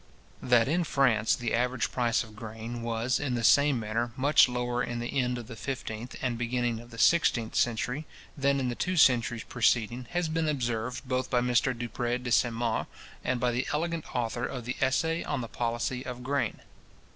That in France the average price of grain was, in the same manner, much lower in the end of the fifteenth and beginning of the sixteenth century, than in the two centuries preceding, has been observed both by Mr Dupré de St Maur, and by the elegant author of the Essay on the Policy of Grain.